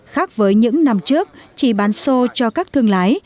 khác với những năm trước chỉ bán xô cho các thương lái